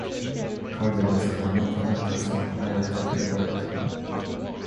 Cardinals who are not electors are highlighted in red.